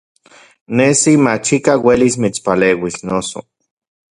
Nesi machikaj uelis mitspaleuis, noso.